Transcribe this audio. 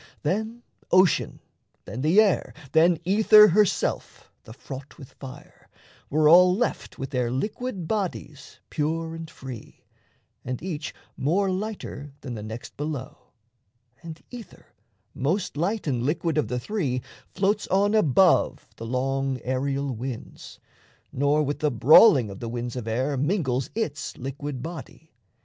Then ocean, then the air, Then ether herself, the fraught with fire, were all Left with their liquid bodies pure and free, And each more lighter than the next below; And ether, most light and liquid of the three, Floats on above the long aerial winds, Nor with the brawling of the winds of air Mingles its liquid body.